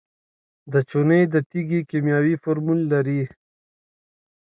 د چونې د تیږې کیمیاوي فورمول لري.